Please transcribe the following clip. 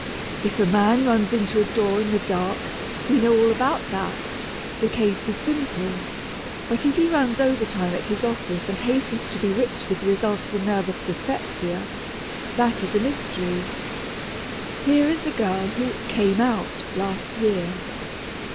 If a man runs into a door in the dark, we know all about that, the case is simple, but if he runs overtime at his office and hastens to be rich with the result of a nervous dyspepsia that is a mystery. Here is a girl who "came out" last year.